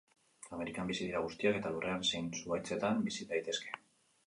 Amerikan bizi dira guztiak eta lurrean zein zuhaitzetan bizi daitezke.